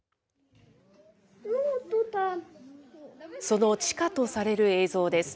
その地下とされる映像です。